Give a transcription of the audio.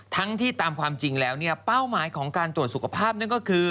ทั้งที่ตามความจริงแล้วเนี่ยเป้าหมายของการตรวจสุขภาพนั่นก็คือ